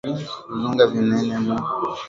Parque ya virunga niya munene mu afrika